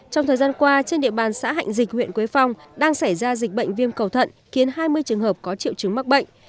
trong thời gian qua trên địa bàn xã hạnh dịch huyện quế phong đang xảy ra dịch bệnh viêm cầu thận khiến hai mươi trường hợp có triệu chứng mắc bệnh